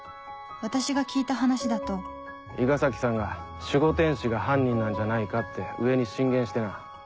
私が聞いた話だと伊賀崎さんが守護天使が犯人なんじゃないかって上に進言してな。